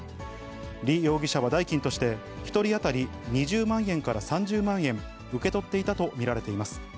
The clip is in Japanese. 李容疑者は代金として、１人当たり２０万円から３０万円受け取っていたと見られています。